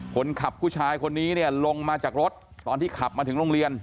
ผู้ชายคนนี้เนี่ยลงมาจากรถตอนที่ขับมาถึงโรงเรียน